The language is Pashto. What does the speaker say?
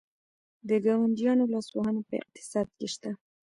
د ګاونډیانو لاسوهنه په اقتصاد کې شته؟